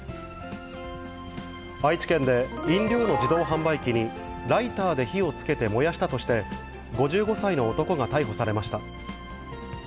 愛知県で飲料の自動販売機に、ライターで火をつけて燃やしたとして、５５歳の男が逮捕されました。